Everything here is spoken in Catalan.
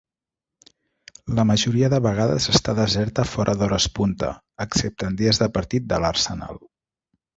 La majoria de vegades està deserta fora d'hores punta, excepte en dies de partit de l'Arsenal.